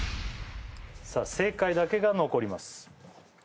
さあ正解だけが残ります